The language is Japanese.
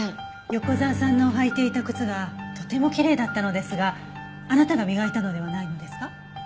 横沢さんの履いていた靴がとてもきれいだったのですがあなたが磨いたのではないのですか？